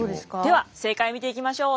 では正解見ていきましょう。